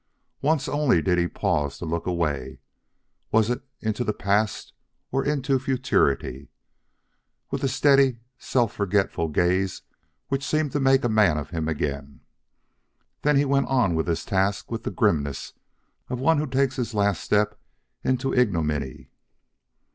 Once only did he pause to look away was it into the past or into futurity? with a steady, self forgetful gaze which seemed to make a man of him again. Then he went on with his task with the grimness of one who takes his last step into ignominy.